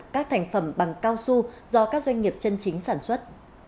các thành phẩm bằng cao su do các doanh nghiệp chân chính sản xuất